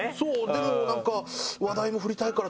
でもなんか話題も振りたいから。